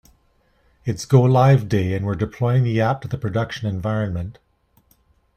It's go-live day and we are deploying the app to the production environment.